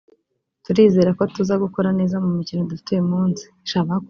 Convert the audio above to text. turizera ko tuza gukora neza mu mukino dufite uyu munsi